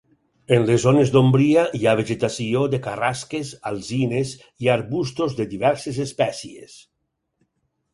En les zones d'ombria hi ha vegetació de carrasques, alzines, i arbustos de diverses espècies.